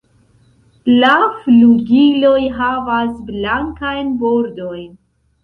La flugiloj havas blankajn bordojn.